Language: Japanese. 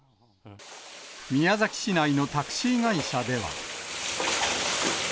宮崎市内のタクシー会社では。